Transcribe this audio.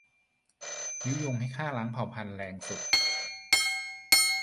ยุยงให้ฆ่าล้างเผ่าพันธุ์แรงสุด